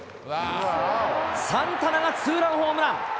サンタナがツーランホームラン。